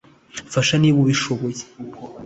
mfasha niba ubishoboye